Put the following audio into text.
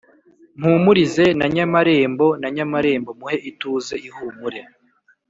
mpumurize na nyamarembo: na nyamarembo muhe ituze ihumure